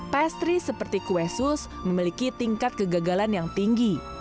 pastry seperti kue sus memiliki tingkat kegagalan yang tinggi